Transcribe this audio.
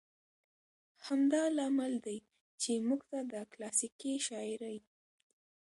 همدا لامل دى، چې موږ ته د کلاسيکې شاعرۍ